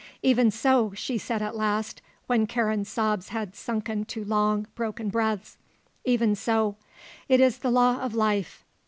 "Even so," she said at last, when Karen's sobs had sunken to long, broken breaths; "even so. It is the law of life.